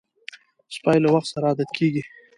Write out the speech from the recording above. سپي له وخت سره عادت کېږي.